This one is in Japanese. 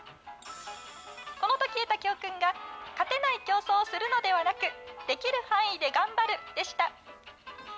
このとき得た教訓が、勝てない競争をするのではなく、できる範囲で頑張るでした。